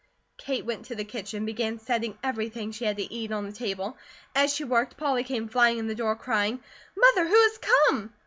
Kate went to the kitchen and began setting everything she had to eat on the table. As she worked Polly came flying in the door crying: "Mother, who has come?"